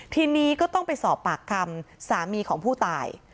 ทีนี้ก็ต้องไปสอบปากคำสามีของผู้ตาย